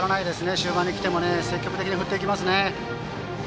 終盤に来ても積極的に振っていきますね。